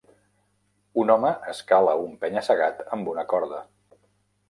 Un home escala un penya-segat amb una corda